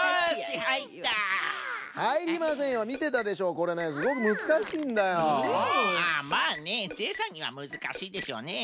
ああまあねジェイさんにはむずかしいでしょうね。